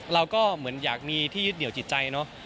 เราก็เหมือนอยากมีที่ยึดเหนียวจิตใจเนอะ